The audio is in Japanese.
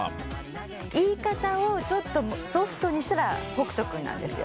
言い方をちょっとソフトにしたら北斗君なんですよ。